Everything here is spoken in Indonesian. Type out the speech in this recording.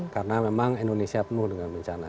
karena memang indonesia penuh dengan bencana